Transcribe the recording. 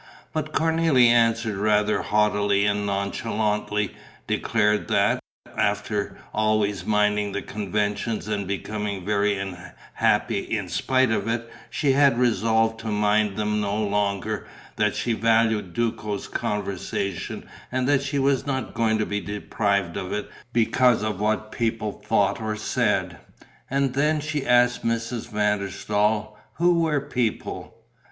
But Cornélie answered rather haughtily and nonchalantly, declared that, after always minding the conventions and becoming very unhappy in spite of it, she had resolved to mind them no longer, that she valued Duco's conversation and that she was not going to be deprived of it because of what people thought or said. And then, she asked Mrs. van der Staal, who were "people?"